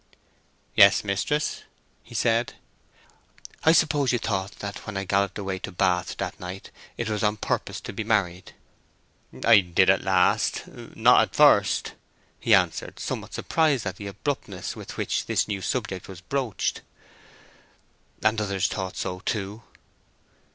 "Yes, mistress," he said. "I suppose you thought that when I galloped away to Bath that night it was on purpose to be married?" "I did at last—not at first," he answered, somewhat surprised at the abruptness with which this new subject was broached. "And others thought so, too?"